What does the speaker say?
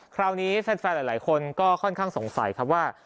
คราวนี้แฟนหลายคนก็ค่อนข้างสงสัยครับว่า